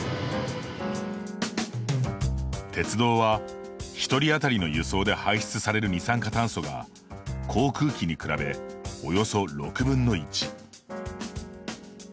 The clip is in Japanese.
鉄道は、１人当たりの輸送で排出される二酸化炭素が航空機に比べ、およそ６分の１。